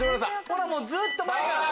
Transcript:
ほらもうずっと前から。